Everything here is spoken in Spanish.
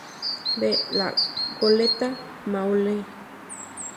V La goleta Maule.